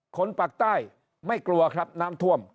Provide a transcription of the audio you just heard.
คนปากใต้ไม่กลัวครับน้ำท่วม